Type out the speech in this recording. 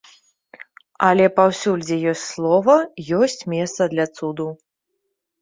Але паўсюль, дзе ёсць слова, ёсць месца для цуду.